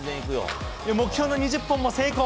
目標の２０本も成功。